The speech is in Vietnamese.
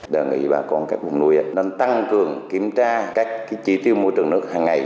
đề nghị bà con các vùng nuôi nên tăng cường kiểm tra các chi tiêu môi trường nước hàng ngày